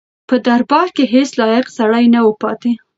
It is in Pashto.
په دربار کې هیڅ لایق سړی نه و پاتې.